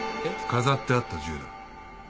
飾ってあった銃だ。